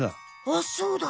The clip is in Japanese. あっそうだ！